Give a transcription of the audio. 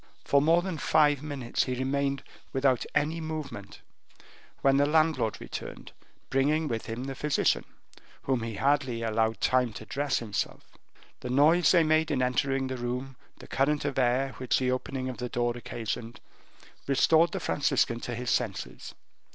For more than five minutes he remained without any movement, when the landlord returned, bringing with him the physician, whom he hardly allowed time to dress himself. The noise they made in entering the room, the current of air, which the opening of the door occasioned, restored the Franciscan to his senses.